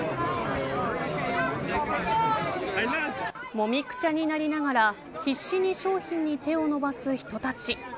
もみくちゃになりながら必死に商品に手を伸ばす人たち。